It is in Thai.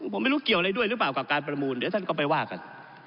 ผมไม่รู้เกี่ยวอะไรด้วยหรือเปล่ากับการประมูลเดี๋ยวท่านก็ไปว่ากัน